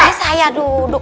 bukannya saya duduk